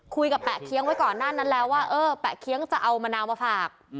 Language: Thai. แปะเคี้ยงไว้ก่อนหน้านั้นแล้วว่าเออแปะเคี้ยงจะเอามะนาวมาฝาก